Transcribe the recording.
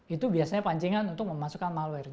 itu biasanya pancingan untuk memasukkan mahluk wifi